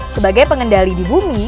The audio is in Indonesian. sebagai pengendali di bumi